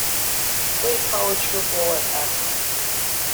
He played college football at Akron.